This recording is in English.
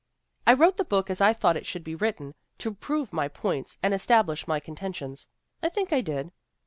... I wrote the book as I thought it should be written, to prove my points and establish my con tentions. I think it did.